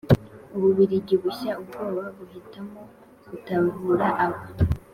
u bubiligi bushya ubwoba buhitamo gutahura aba